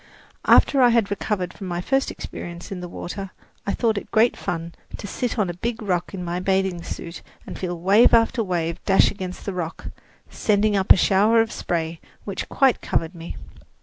After I had recovered from my first experience in the water, I thought it great fun to sit on a big rock in my bathing suit and feel wave after wave dash against the rock, sending up a shower of spray which quite covered me.